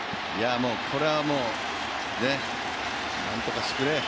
これは、何とかしてくれ。